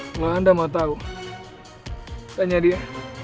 kalau anda mau tahu tanya dia